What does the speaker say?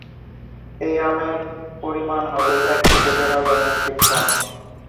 এই আমের পরিমাণ হবে এক থেকে দেড় হাজার মেট্রিক টন।